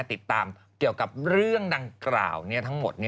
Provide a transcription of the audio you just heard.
ติดตามเกี่ยวกับเรื่องดังกล่าวทั้งหมด